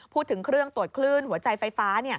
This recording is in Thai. พูดถึงเครื่องตรวจคลื่นหัวใจไฟฟ้า